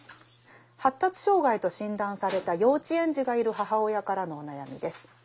発達障害と診断された幼稚園児がいる母親からのお悩みです。